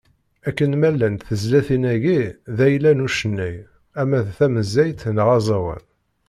Akken ma llant tezlatin-agi, d ayla n ucennay, ama d tameyazt neɣ aẓawan.